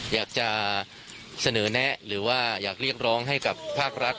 อยากจะเสนอแนะหรือว่าอยากเรียกร้องให้กับภาครัฐ